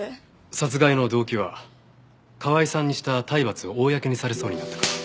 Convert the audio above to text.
殺害の動機は河合さんにした体罰を公にされそうになったから。